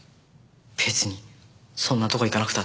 別にそんな所行かなくたって。